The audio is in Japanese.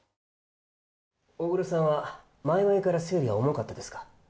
大黒さんは前々から生理が重かったですか？